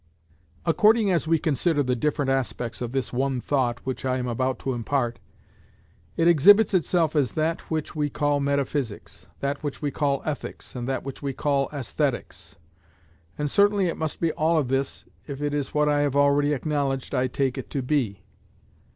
According as we consider the different aspects of this one thought which I am about to impart, it exhibits itself as that which we call metaphysics, that which we call ethics, and that which we call æsthetics; and certainly it must be all this if it is what I have already acknowledged I take it to be.